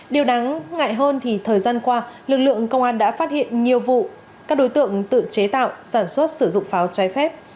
điều đáng ngại hơn thì thời gian qua lực lượng công an đã phát hiện nhiều vụ các đối tượng tự chế tạo sản xuất sử dụng pháo trái phép